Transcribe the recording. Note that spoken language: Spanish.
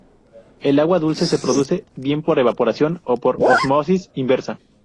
El agua dulce se produce bien por evaporación o por ósmosis inversa.